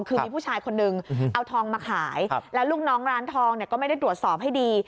คือมีผู้ชายคนนึงเอาทองมาขายแล้วลูกน้องร้านทองเนี่ยก็ไม่ได้ตรวจสอบให้ดี